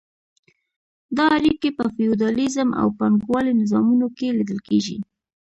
دا اړیکې په فیوډالیزم او پانګوالۍ نظامونو کې لیدل کیږي.